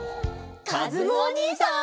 かずむおにいさん！